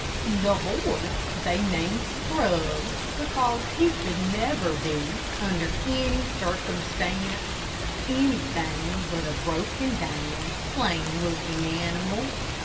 The horse they named "Scrub," because he could never be, under any circumstance, anything but a broken down, plain looking animal.